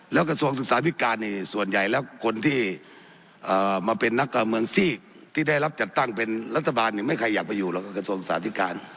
แล้วกระทรวงศึกษาธิการส่วนใหญ่แล้วคนที่มาเป็นนักการเมืองซีกที่ได้รับจัดตั้งเป็นรัฐบาลไม่เคยอยากไปอยู่หรอกกระทรวงสาธิการ